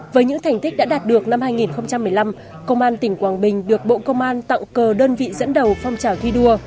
với những thành tích đã đạt được năm hai nghìn một mươi năm công an tỉnh quảng bình được bộ công an tặng cờ đơn vị dẫn đầu phong trào thi đua